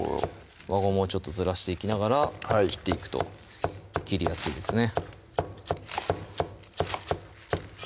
輪ゴムをずらしていきながら切っていくと切りやすいですね